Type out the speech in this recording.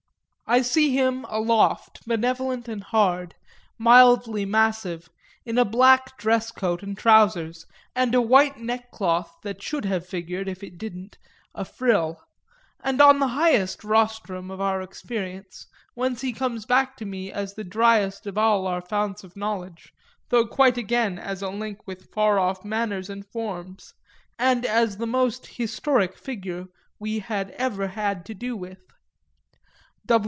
I see him aloft, benevolent and hard, mildly massive, in a black dress coat and trousers and a white neckcloth that should have figured, if it didn't, a frill, and on the highest rostrum of our experience, whence he comes back to me as the dryest of all our founts of knowledge, though quite again as a link with far off manners and forms and as the most "historic" figure we had ever had to do with.